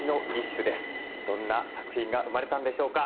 どんな作品が生まれたんでしょうか？